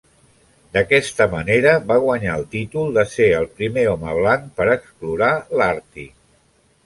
D'aquesta manera va guanyar el títol de ser el primer home blanc per explorar l'Àrtic.